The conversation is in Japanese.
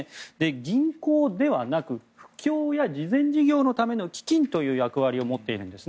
銀行ではなく布教や慈善事業のための基金という役割を持っているんです。